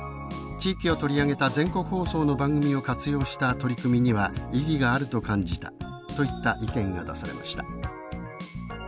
地域を取り上げた全国放送の番組を活用した取り組みには意義があると感じた」といった意見が出されました。